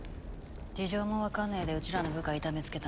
事情も分かんねぇでうちらの部下痛めつけたのかよ。